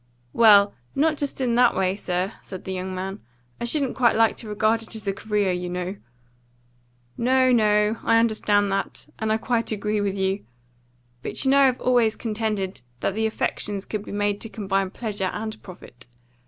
"Well, not just in that way, sir," said the young man. "I shouldn't quite like to regard it as a career, you know." "No, no. I understand that. And I quite agree with you. But you know I've always contended that the affections could be made to combine pleasure and profit.